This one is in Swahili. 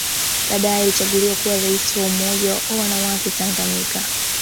Baadae alichaguliwa kuwa Rais wa Umoja wa wanawake Tanganyika